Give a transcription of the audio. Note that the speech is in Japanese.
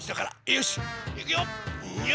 よしいくよ！